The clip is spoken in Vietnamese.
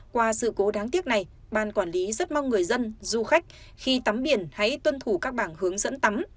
qua sự cố đáng tiếc này ban quản lý rất mong người dân du khách khi tắm biển hãy tuân thủ các bảng hướng dẫn tắm